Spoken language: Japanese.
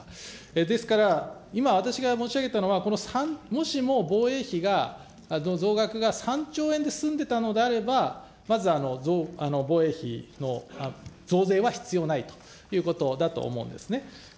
ですから、今、私が申し上げたのは、このもしも防衛費が増額が３兆円で済んでたのであれば、まず防衛費の、増税は必要ないということだと思うんですね。